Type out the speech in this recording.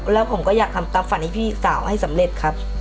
แล้วผมก็อยากทำตามฝันให้พี่สาวให้สำเร็จครับ